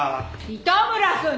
糸村くん！